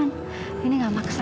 nini gak maksa